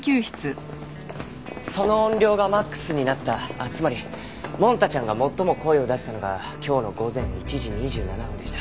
その音量がマックスになったつまりモン太ちゃんが最も声を出したのが今日の午前１時２７分でした。